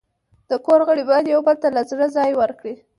د کور غړي باید یو بل ته له زړه ځای ورکړي.